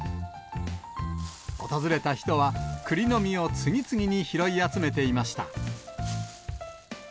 訪れた人は、クリの実を次々に拾い集めていました。